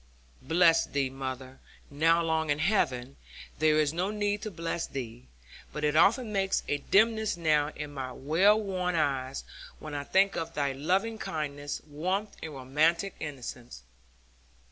Bless thee, mother now long in heaven, there is no need to bless thee; but it often makes a dimness now in my well worn eyes, when I think of thy loving kindness, warmth, and romantic innocence.